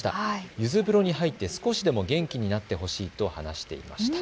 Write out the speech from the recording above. ゆず風呂に入って少しでも元気になってほしいと話していました。